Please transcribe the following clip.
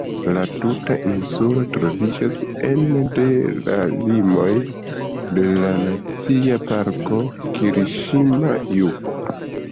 La tuta insulo troviĝas ene de la limoj de la Nacia Parko "Kiriŝima-Jaku".